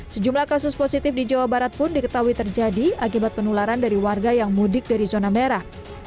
sejumlah kasus positif di jawa barat pun diketahui terjadi akibat penularan dari warga yang mudik dari zona merah